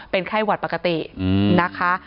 เป็นไข้หวัดปกตินะคะ